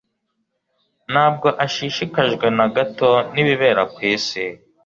ntabwo ashishikajwe na gato n'ibibera ku isi